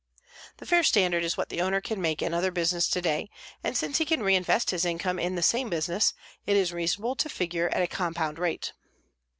The fair standard is what the owner can make in other business today, and since he can reinvest his income in the same business, it is reasonable to figure at a compound rate.